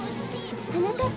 はなかっ